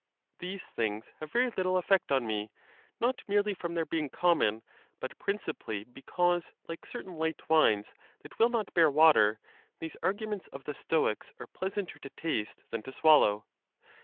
These things have very little effect on me, not merely from their being common, but principally be cause, like certain light wines that will not bear water, these arguments of the Stoics are pleasanter to taste than to swallow.